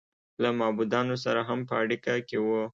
له معبودانو سره هم په اړیکه کې و